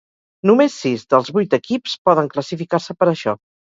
Només sis dels vuit equips poden classificar-se per això.